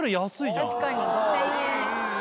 確かに５０００円。